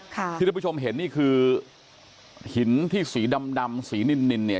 ที่ทุกผู้ชมเห็นนี่คือหินที่สีดำดำสีนินนินเนี่ย